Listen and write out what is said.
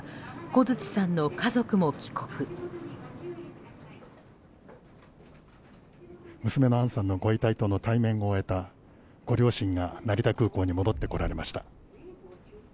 娘の杏さんのご遺体との対面を終えたご両親が成田空港に戻ってこられました。